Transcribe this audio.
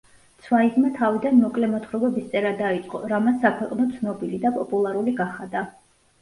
ცვაიგმა თავიდან მოკლე მოთხრობების წერა დაიწყო, რამაც საქვეყნოდ ცნობილი და პოპულარული გახადა.